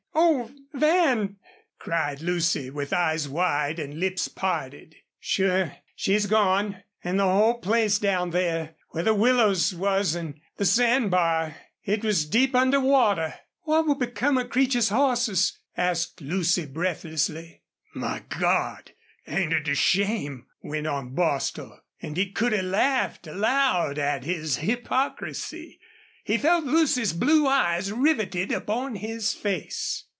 Oh, Van!" cried Lucy, with eyes wide and lips parted. "Sure she's gone. An' the whole place down there where the willows was an' the sand bar it was deep under water." "What will become of Creech's horses?" asked Lucy, breathlessly. "My God! ain't it a shame!" went on Bostil, and he could have laughed aloud at his hypocrisy. He felt Lucy's blue eyes riveted upon his face.